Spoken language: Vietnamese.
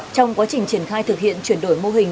trong quá trình triển khai thực hiện chuyển đổi mô hình